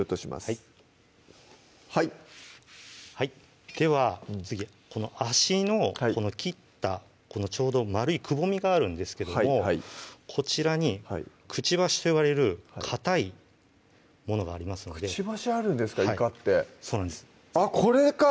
はいはいはいでは次この足の切ったちょうど丸いくぼみがあるんですけどもこちらにくちばしと呼ばれるかたいものがありますのでくちばしあるんですかいかってそうなんですあっこれか！